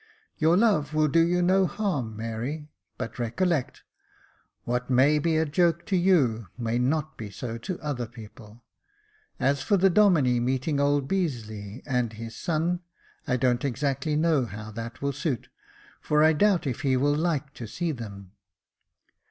" Your love will do you no harm, Mary ; but, recollect, what may be a joke to you may not be so to other people. As for the Domine meeting old Beazeley and his son, I don't exactly know how that will suit, for I doubt if he will like to see them."